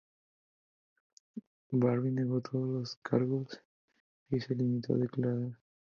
Barbie negó todos los cargos y se limitó a declarar.